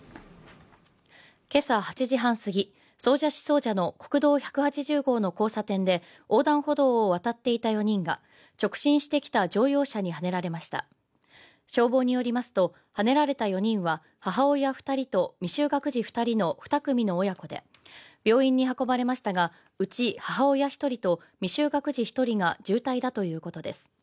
今朝８時半過ぎ総社市総社の国道１８０号の交差点で横断歩道を渡っていた４人が直進してきた乗用車にはねられました消防によりますとはねられた４人は母親二人と未就学児二人の２組の親子で病院に運ばれましたがうち母親一人と未就学児一人が重体だということです